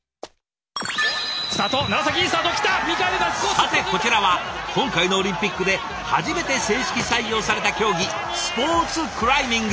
さてこちらは今回のオリンピックで初めて正式採用された競技スポーツクライミング。